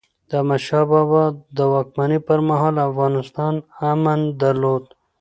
د احمد شاه بابا د واکمنۍ پرمهال، افغانستان امن درلود.